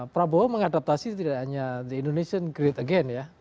prabowo mengadaptasi tidak hanya the indonesian great again ya